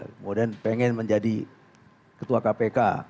kemudian pengen menjadi ketua kpk